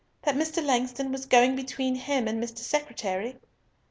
That Mr. Langston was going between him and Mr. Secretary?"